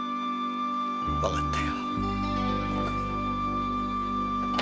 わかったよ。